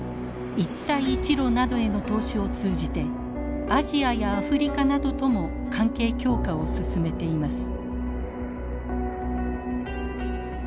一帯一路などへの投資を通じてアジアやアフリカなどとも関係強化を進めています。